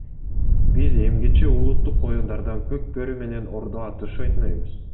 Биз эмгиче улуттук оюндардан көк бөрү менен ордо атыш ойнойбуз.